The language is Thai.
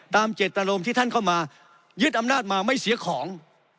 เจตนารมที่ท่านเข้ามายึดอำนาจมาไม่เสียของ